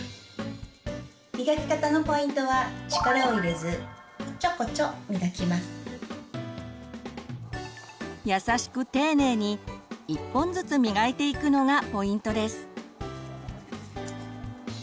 磨き方のポイントは優しく丁寧に１本ずつ磨いていくのがポイントです。